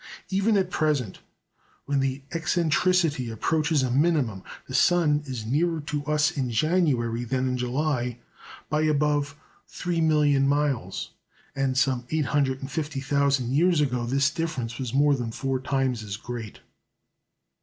Even at present, when the eccentricity approaches a minimum, the sun is nearer to us in January than in July by above three million miles, and some 850,000 years ago this difference was more than four times as great.